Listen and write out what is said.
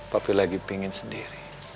papi lagi pingin sendiri